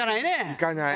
いかない。